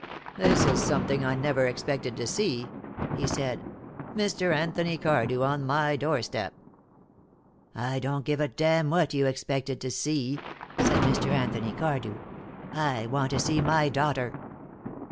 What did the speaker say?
"This is something I never expected to see," he said, "Mr. Anthony Cardew on my doorstep." "I don't give a damn what you expected to see," said Mr. Anthony Cardew. "I want to see my daughter."